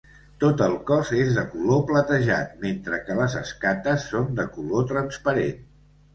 Tot el cos és de color platejat mentre que les escates són de color transparent.